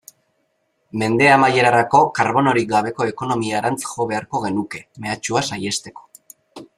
Mende amaierarako karbonorik gabeko ekonomiarantz jo beharko genuke, mehatxua saihesteko.